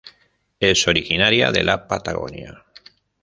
Es originaria de la Patagonia.